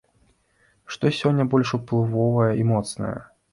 Што сёння больш уплывовае і моцнае?